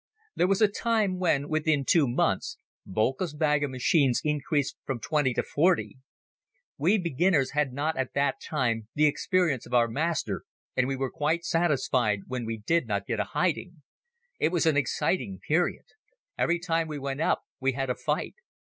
There was a time when, within two months, Boelcke's bag of machines increased from twenty to forty. We beginners had not at that time the experience of our master and we were quite satisfied when we did not get a hiding. It was an exciting period. Every time we went up we had a fight.